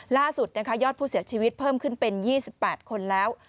ล่าสุดนะคะยอดผู้เสียชีวิตเพิ่มขึ้นเป็น๒๘คนแล้ว